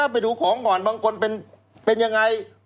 ไปดูของก่อนบางคนเป็นยังไง